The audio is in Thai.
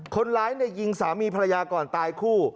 คนร้ายยิงสามีภรรยาก่อนตายคู่